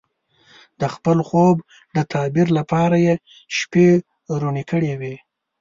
د خپل خوب د تعبیر لپاره یې شپې روڼې کړې وې.